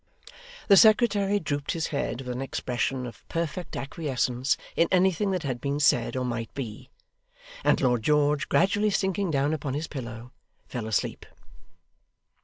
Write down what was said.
The secretary drooped his head with an expression of perfect acquiescence in anything that had been said or might be; and Lord George gradually sinking down upon his pillow, fell asleep.